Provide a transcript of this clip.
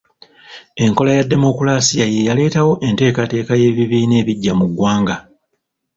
Enkola ya demokolasiya ye yaleetawo enteekateeka y’ebibiina ebiggya mu ggwanga.